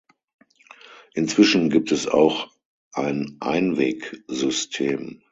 Inzwischen gibt es auch ein Einweg-System.